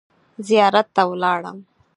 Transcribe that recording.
زیارت ته ولاړم.